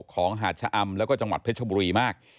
หาดชะอำแล้วก็จังหวัดเพชรบุรีมาก